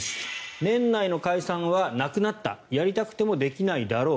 年内の解散はなくなったやりたくてもできないだろう。